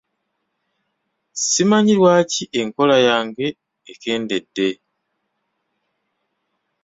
Simanyi lwaki enkola yange ekendedde.